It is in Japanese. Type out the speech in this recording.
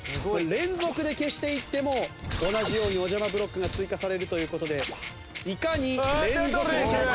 連続で消していっても同じようにおじゃまブロックが追加されるという事でいかに連続で消すか。